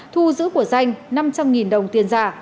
thu giữ của danh năm trăm linh đồng tiền giả